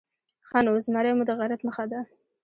_ښه نو، زمری مو د غيرت نښه ده؟